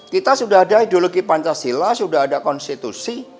kita sudah ada ideologi pancasila sudah ada konstitusi